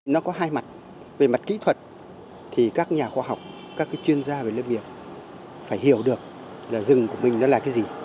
nó có hai mặt về mặt kỹ thuật thì các nhà khoa học các chuyên gia về lớp việc phải hiểu được rừng của mình là cái gì